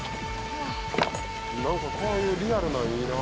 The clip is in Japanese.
何かこういうリアルなんいいな。